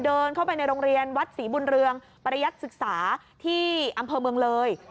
เดินเข้าไปในโรงเรียนวัดศรีบุญเรืองประยัติศึกษาที่อำเภอเมืองเลย